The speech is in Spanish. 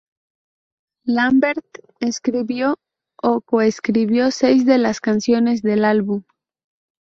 Lambert escribió o co-escribió seis de las canciones del álbum.